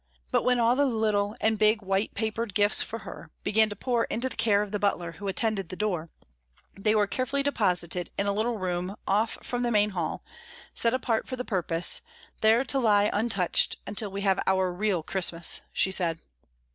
But when all the little and big white papered gifts for her began to pour into the care of the butler who attended the door, they were carefully deposited in a little room off from the main hall, set apart for the purpose, there to lie untouched until "we have our real Christmas," she said.